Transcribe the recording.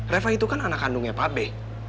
reva itu kan anak kandungnya pape